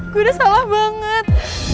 gue udah salah banget